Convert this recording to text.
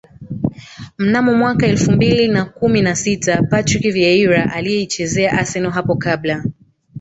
Mnamo mwaka elfu mbili na kumi na sita Patrick Vieira aliyeichezea Arsenal hapo kabla